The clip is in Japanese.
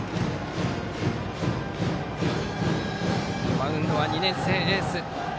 マウンドは２年生エース。